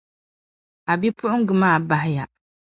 A bipuɣiŋga maa bahiya.